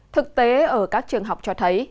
thực tế ở các trường học cho thấy